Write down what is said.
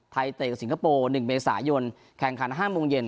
ไทยเตะกับสิงคโปร์หนึ่งเมษายนแข่งขันห้ามโมงเย็น